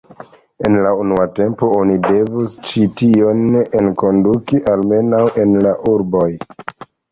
En la unua tempo oni devus ĉi tion enkonduki almenaŭ en la urboj.